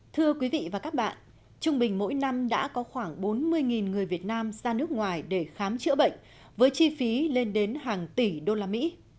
thưa quý vị và các bạn trung bình mỗi năm đã có khoảng bốn mươi người việt nam ra nước ngoài để khám chữa bệnh với chi phí lên đến hàng tỷ đô la mỹ